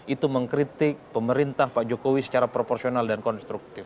itu mengkritik pemerintah pak jokowi secara proporsional dan konstruktif